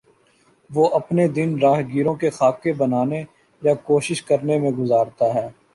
وہ اپنے دن راہگیروں کے خاکے بنانے یا کوشش کرنے میں گزارتا ہے